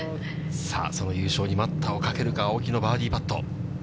さあ、その優勝に待ったをかけるか、青木のバーディーパット。